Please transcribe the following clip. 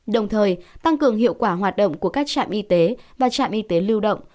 đồng thời tăng cường hiệu quả hoạt động của các trạm y tế và trạm y tế lưu động